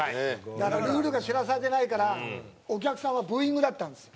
だからルールが知らされていないからお客さんはブーイングだったんですよ。